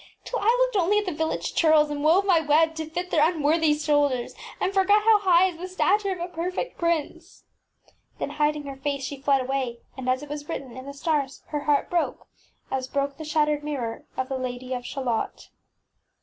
ŌĆØ till I looked only at the village churls and wove my web to fit their un worthy shoulders, and forgot how high is the stature of a perfect prince ! ŌĆÖ Then, hiding her face, she fled away, fltft Wb tee QZlleati^rjS and as it was written in the stars, her heart broke, as broke the shattered mirror of the Lady of Shalott.